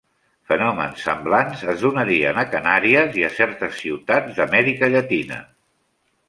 Fenòmens semblants es donarien a Canàries i a certes ciutats d'Amèrica Llatina.